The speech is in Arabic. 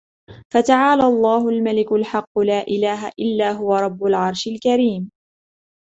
فتعالى الله الملك الحق لا إله إلا هو رب العرش الكريم